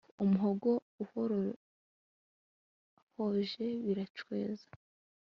Umuhogo uhorahoje biracweza